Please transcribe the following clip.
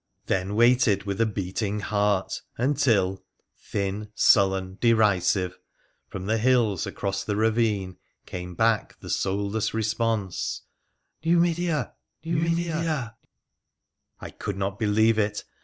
then waited with a beating heart until — thin, sullen, derisive — from the hills across the ravine came back the soulless re sponse —' Numidea ! Numidea !' I could not believe it.